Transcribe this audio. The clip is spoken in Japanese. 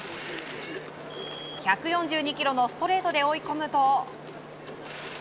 １４２キロのストレートで追い込むと。